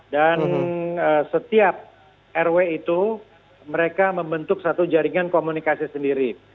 dan setiap rw itu mereka membentuk satu jaringan komunikasi sendiri